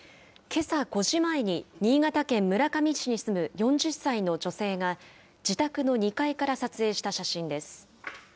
けさ５時前に、新潟県村上市に住む４０歳の女性が、自宅の２階から撮影した写真です。